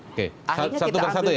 oke satu persatu ya